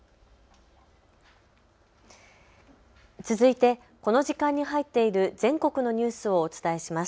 続いてこの時間に入っている全国のニュースをお伝えします。